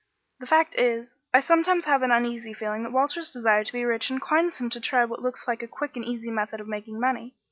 The fact is, I sometimes have an uneasy feeling that Walter's desire to be rich inclines him to try what looks like a quick and easy method of making money.